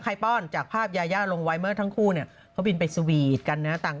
ใครป้อนจากภาพยายาลงไว้เมื่อทั้งคู่เขาบินไปสวีตกันนะ